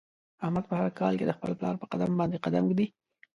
احمد په هر کار کې د خپل پلار په قدم باندې قدم ږدي.